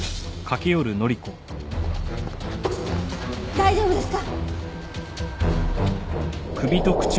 大丈夫ですか！？